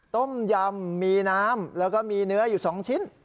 ต้มยำมีน้ำแล้วก็มีเนื้ออยู่๒ชิ้น